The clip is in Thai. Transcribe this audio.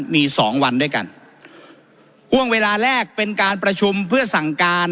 มีสองวันด้วยกันห่วงเวลาแรกเป็นการประชุมเพื่อสั่งการ